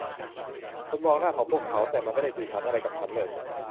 ฉันมองหน้าของพวกเขา แต่มันไม่ได้สื่อสารอะไรกับฉันเลย